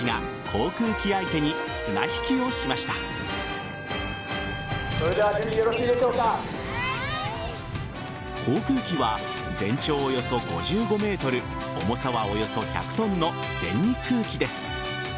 航空機は全長およそ５５ｍ重さはおよそ１００ｔの全日空機です。